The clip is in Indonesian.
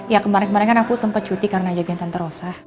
ya kemarin kemarin kan aku sempat cuti karena jagain tante rosa